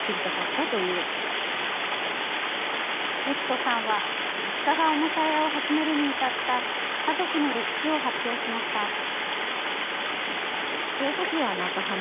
由起子さんは、実家がおもちゃ屋を始めるに至った家族の歴史を発表しました。